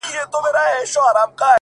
o مــروره در څه نـه يمـه ه،